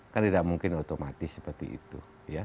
kan tidak mungkin otomatis seperti itu